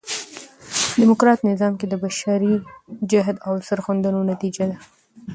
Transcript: ډيموکراټ نظام کښي د بشري جهد او سرښندنو نتیجه ده.